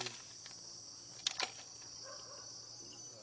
เวียนหัวไม่มาหรอกลูกไม่ขึ้น